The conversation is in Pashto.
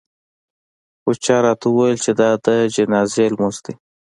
خو چا راته وویل چې دا د جنازې لمونځ دی.